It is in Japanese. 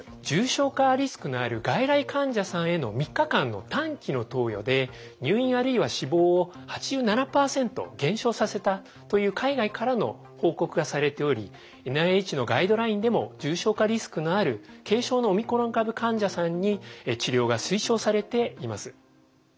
重症化リスクのある外来患者さんへの３日間の短期の投与で入院あるいは死亡を８７％減少させたという海外からの報告がされておりＮＩＨのガイドラインでも重症化リスクのある軽症のオミクロン株患者さんに治療が推奨されています。